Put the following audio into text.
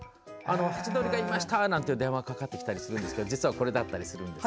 ハチドリがいました！なんて電話かかってきたりするんですが実はこれだったりするんですよ。